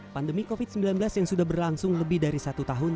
pandemi covid sembilan belas yang sudah berlangsung lebih dari satu tahun